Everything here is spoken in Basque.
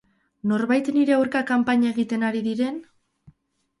Norbait nire aurka kanpaina egiten ari diren?